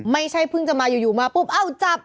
ไม่ใช่เพิ่งจะมาอยู่มาปุ๊บเอ้าจับ